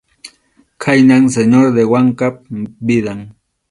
Khaynam Señor de Wankap vidan.